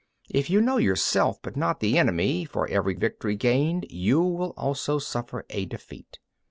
If you know yourself but not the enemy, for every victory gained you will also suffer a defeat.